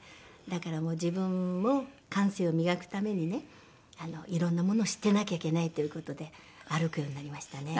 だから自分も感性を磨くためにねいろんなものを知ってなきゃいけないという事で歩くようになりましたね。